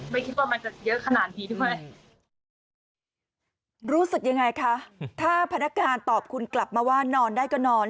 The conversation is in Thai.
ไม่คิดว่ามันจะเยอะขนาดนี้ด้วยรู้สึกยังไงคะถ้าพนักงานตอบคุณกลับมาว่านอนได้ก็นอน